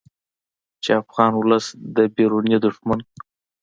چې افغان ولس د بیروني دښمن